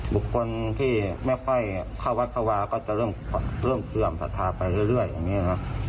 บุคคลที่ไม่ค่อยเข้าวัฒวาก็จะเริ่มเสื่อมศาสนาไปเรื่อยอย่างนี้นะ